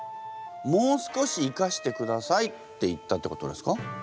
「もう少し生かしてください」って言ったってことですか？